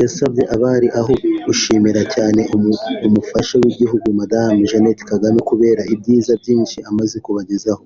yasabye abari aho gushimira cyane umufasha w’Igihugu Madame Jeannette Kagame kubera ibyiza byinshi amaze kubagezaho